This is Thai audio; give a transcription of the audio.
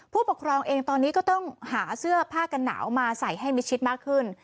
ผู้ปกครองเองตอนนี้ก็ต้องหาเสื้อผ้ากันหนาวมาใส่ให้มิดชิดมากขึ้น